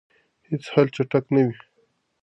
هیڅ حل چټک نه وي.